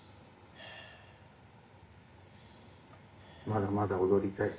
まだまだ踊りたい？